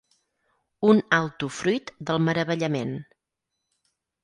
Un alto fruit del meravellament.